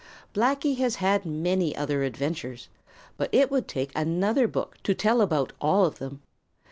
Blacky has had very many other adventures, but it would take another book to tell about all of them.